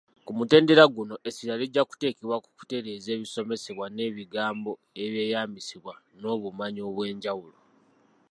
Ku mutendera guno, essira lijja kuteekebwa ku kutereeza ebisomesebwa n’ebigambo ebyeyambisibwa n’obumanyi obw’enjawulo.